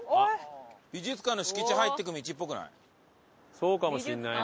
そうかもしれないね。